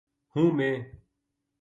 ہوں میں